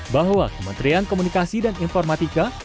bahwa kementerian komunikasi dan informatika